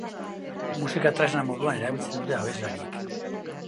Musika tresna moduan erabiltzen dute abeslariek.